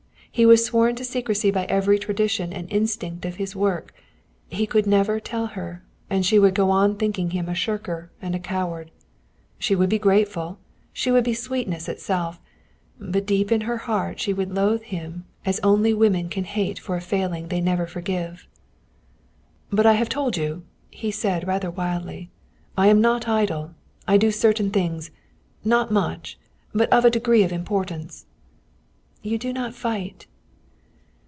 He was sworn to secrecy by every tradition and instinct of his work. He could never tell her, and she would go on thinking him a shirker and a coward. She would be grateful. She would be sweetness itself. But deep in her heart she would loathe him, as only women can hate for a failing they never forgive. "But I have told you," he said rather wildly, "I am not idle. I do certain things not much, but of a degree of importance." "You do not fight."